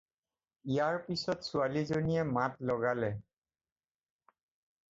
ইয়াৰ পিছত ছোৱালীজনীয়ে মাত লগালে।